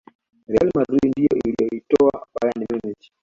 real madrid ndiyo iliyoitoa bayern munich